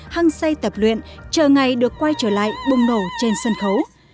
hăng say tập luyện chờ ngày được quay trở lại bùng nổ trên sân khấu